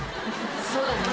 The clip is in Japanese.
そうだね。